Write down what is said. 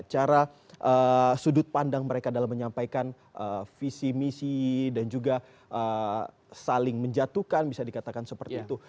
cara sudut pandang mereka dalam menyampaikan visi misi dan juga saling menjatuhkan bisa dikatakan seperti itu